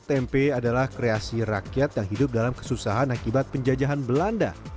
tempe adalah kreasi rakyat yang hidup dalam kesusahan akibat penjajahan belanda